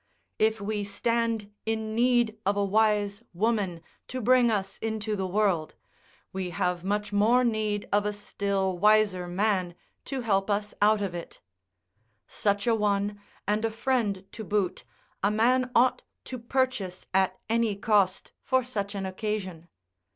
If we stand in need of a wise woman [midwife, Fr. 'sage femme'.] to bring us into the world, we have much more need of a still wiser man to help us out of it. Such a one, and a friend to boot, a man ought to purchase at any cost for such an occasion.